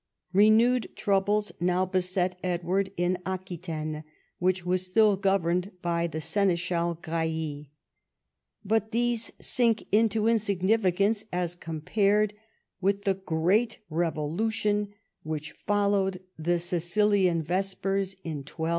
Renewed troubles now beset Edward in Aquitaine, which was still governed by the seneschal Grailly. But these sink into insignificance as compared with the great revolution which followed the Sicilian Vespers in 1282.